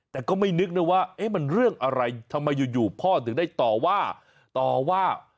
แต่ก็ไม่นึกนะว่ามันเรื่องอะไรทำไมอยู่พ่อถึงได้ต่อว่าต่อว่า